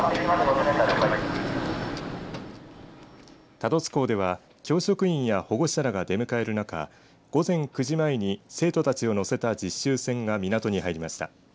多度津港では教職員や保護者らが出迎える中午前９時前に生徒たちを乗せた実習船が港に入りました。